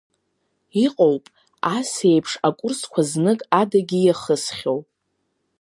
Иҟоуп, ас еиԥш акурсқәа знык адагьы иахысхьоу.